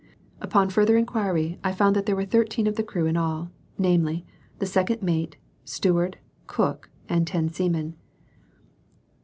Upon further inquiry I found that there were thirteen of the crew in all, namely, the second mate, steward, cook, and ten seamen.